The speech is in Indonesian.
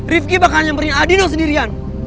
rifqi bakal nyamperin adino sendirian